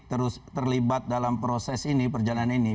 terus terlibat dalam proses ini perjalanan ini